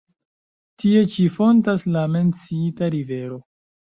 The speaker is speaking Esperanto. Tie ĉi fontas la menciita rivero.